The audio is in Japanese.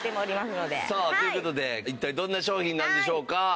さあという事で一体どんな商品なんでしょうか？